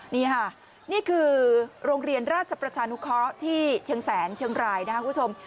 นี่ค่ะนี่คือโรงเรียนราชประชานุเคราะห์ที่เชียงแสนเชียงรายนะครับคุณผู้ชม